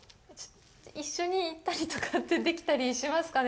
一緒に行ったりとかってできたりしますかね？